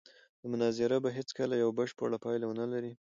دا مناظره به هېڅکله یوه بشپړه پایله ونه لري.